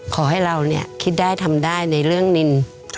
ขอให้เราเนี่ยคิดได้ทำได้ในเรื่องนิน